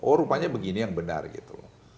oh rupanya begini yang benar gitu loh